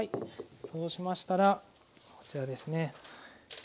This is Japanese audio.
そうしましたらこちらですね。